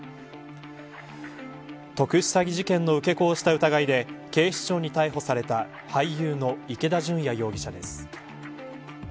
特殊詐欺事件の受け子をした疑いで警視庁に逮捕された俳優の池田純矢容疑者です。